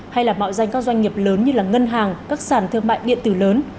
hay là mạo danh các doanh nghiệp lớn như ngân hàng các sản thương mại điện tử lớn